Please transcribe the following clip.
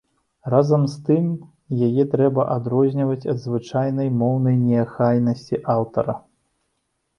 Разам з тым яе трэба адрозніваць ад звычайнай моўнай неахайнасці аўтара.